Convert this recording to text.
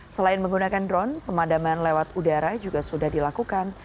selain menggunakan drone pemadaman lewat udara juga sudah dilakukan